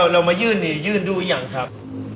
อ๋อเรามายื่นดูอีกอย่างครับ